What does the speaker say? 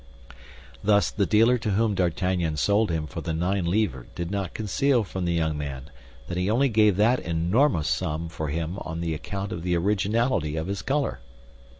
Thus the dealer to whom D'Artagnan sold him for the nine livres did not conceal from the young man that he only gave that enormous sum for him on the account of the originality of his color.